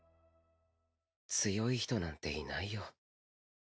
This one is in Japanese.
強い人なんていないよ。